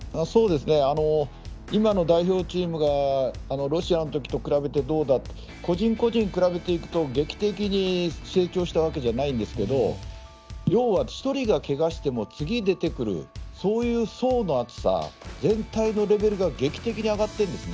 今の代表チームがロシアの時と比べて個人個人比べていくと劇的に成長したわけじゃないけど要は、１人がけがしても次に出てくる、そういう層の厚さ全体のレベルが劇的に上がってるんです。